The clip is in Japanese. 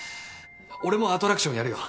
俺もアトラクションやるよ。